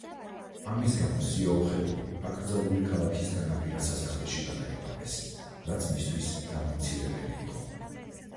ამის გამო სიაოხერუი აკრძალული ქალაქის განაპირა სასახლეში გადაიყვანეს, რაც მისთვის დამამცირებელი იყო.